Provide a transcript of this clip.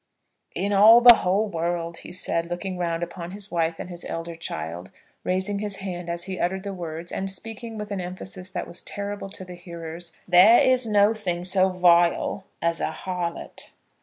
"In all the whole warld," he said, looking round upon his wife and his elder child, raising his hand as he uttered the words, and speaking with an emphasis that was terrible to the hearers, "there is no thing so vile as a harlot."